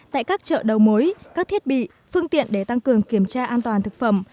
tại các chợ đầu mối các thiết bị phương tiện để tăng cường kiểm tra an toàn thực phẩm